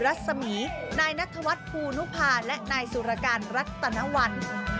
นายบดิตรัศมีนายนัฐวัฒน์ภูนุภาและนายสุรการรัฐตนวัน